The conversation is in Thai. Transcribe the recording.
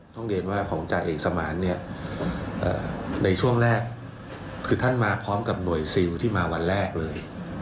ต้องเรียนว่าของจ่าเอกสมานเนี่ยในช่วงแรกคือท่านมาพร้อมกับหน่วยซิลที่มาวันแรกเลย